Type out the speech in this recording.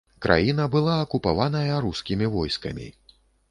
Краіна была акупаваная рускімі войскамі.